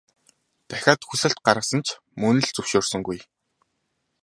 Дахиад хүсэлт гаргасан ч мөн л зөвшөөрсөнгүй.